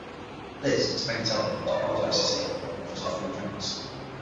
Liz, to Becky's outrage, apologises to Kelly and offers her free drinks.